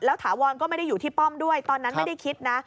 ถาวรก็ไม่ได้อยู่ที่ป้อมด้วยตอนนั้นไม่ได้คิดนะ